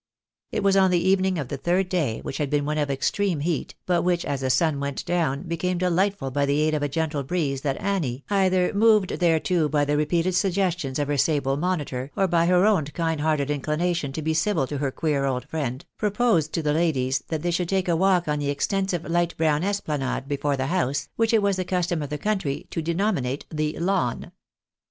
It was on the evening of the third day, which had been one of extreme heat, but which, as the sun went down, became delightful by the aid of a gentle breeze that Annie, either moved thereto by the repeated suggestions of her sable monitor, or by her own kind 188 THE BAKNABYS m AOTEKIua. hearted inclination to be civil to her queer old friend, proposed to the ladies that they should take a walk on the extensive light brown esplanade before the hoixse, which it was the custom of the country to denominate the "lawn."